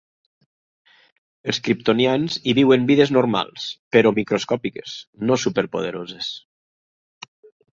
Els kriptonians hi viuen vides normals, però microscòpiques, no superpoderoses.